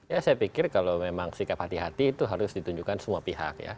ya saya pikir kalau memang sikap hati hati itu harus ditunjukkan semua pihak ya